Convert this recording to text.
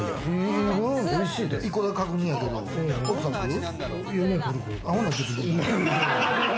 １個だけ確認やけれども、奥さん来る？